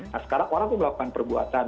nah sekarang orang melakukan perbuatan